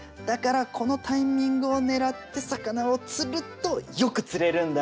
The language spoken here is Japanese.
だからこのタイミングを狙って魚を釣るとよく釣れるんだよ。